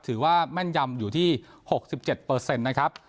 ถือว่าแม่นยำอยู่ที่๖๗เปอร์เซ็นต์นะครับ